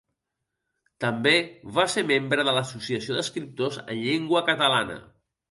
També va ser membre de l'Associació d'Escriptors en Llengua Catalana.